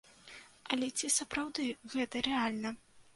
Але ці сапраўды гэта рэальна?